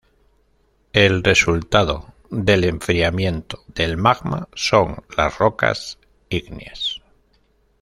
El resultado del enfriamiento del magma son las rocas ígneas.